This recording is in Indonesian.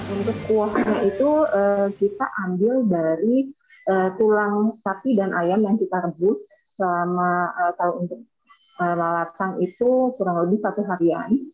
untuk kuahnya itu kita ambil dari tulang sapi dan ayam yang kita rebus selama satu harian